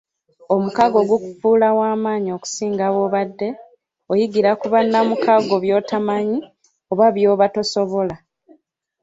Omukago gukufuula w'amaanyi okusinga bw'obadde; oyigira ku bannamukago by'otamanyi oba byoba tosobola.